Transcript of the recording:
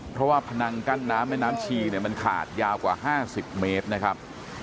เพราะว่าพนังกั้นน้ำแม่น้ำชีเนี่ยมันขาดยาวกว่า๕๐เมตรนะครับ